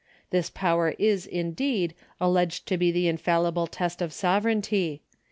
This power is, indeed, alleged to be the infallible test of sovereignty.